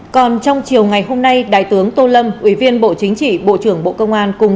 còn trong chiều ngày hôm nay đại tướng tô lâm ủy viên bộ chính trị bộ trưởng bộ công an cùng